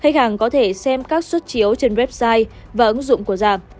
khách hàng có thể xem các xuất chiếu trên website và ứng dụng của giả